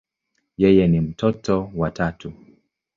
Yeye ni mtoto wa tatu.